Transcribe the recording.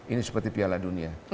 ini seperti piala dunia